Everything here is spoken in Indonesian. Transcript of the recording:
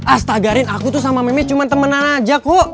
astaga rin aku tuh sama meme cuman temenan aja kok